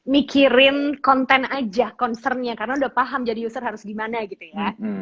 mikirin konten aja concernnya karena udah paham jadi user harus gimana gitu ya